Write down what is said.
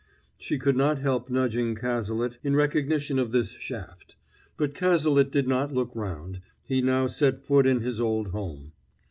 She could not help nudging Cazalet in recognition of this shaft. But Cazalet did not look round; he had now set foot in his old home.